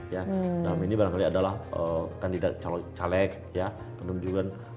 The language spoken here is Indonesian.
dalam ini barangkali adalah kandidat caleg kandung juga